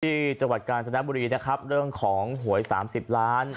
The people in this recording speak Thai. ที่จังหวัดกาศจนบุรีนะครับเรื่องของหวยสามสิบล้าน